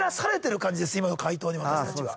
今の回答に私達は。